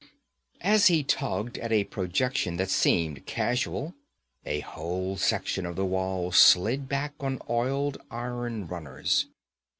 As he tugged at a projection that seemed casual, a whole section of the wall slid back on oiled iron runners.